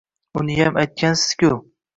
Uniyam aytgansiz-ku